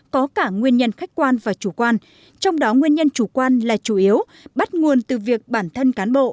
có cả nguyên nhân khách quan và chủ quan trong đó nguyên nhân chủ quan là chủ yếu bắt nguồn từ việc bản thân cán bộ